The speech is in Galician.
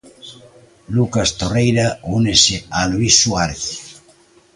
Lucas Torreira únese a Luís Suárez.